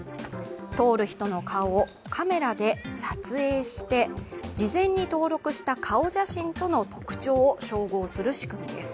通る人の顔をカメラで撮影して、事前に登録した顔写真との特徴を照合する仕組みです。